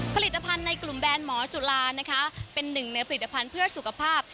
ผลิตภัณฑ์ในกลุ่มแบรนด์หมอจุลานะคะเป็นหนึ่งในผลิตภัณฑ์เพื่อสุขภาพ